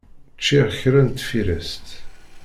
Ččiɣ kra n tfirest.